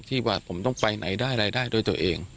ที่มันผมต้องไปไหนได้หรืออะไรได้ตัวเอง